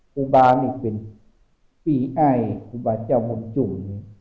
ครูบานี่เป็นปีไอครูบาเจ้าบุญชุมนี่